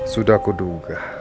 sudah aku duga